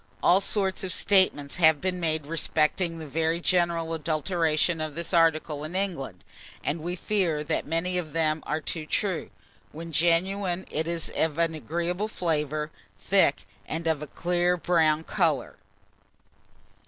All sorts of statements have been made respecting the very general adulteration of this article in England, and we fear that many of them are too true. When genuine, it is of an agreeable flavour, thick, and of a clear brown colour.